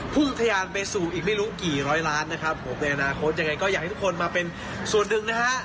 ทะยานไปสู่อีกไม่รู้กี่ร้อยล้านนะครับผมในอนาคตยังไงก็อยากให้ทุกคนมาเป็นส่วนหนึ่งนะฮะ